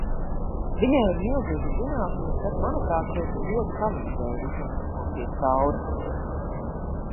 Viņai ir milzīgas zināšanas, kas, manuprāt, šeit ļoti palīdzēja visam uzburties cauri.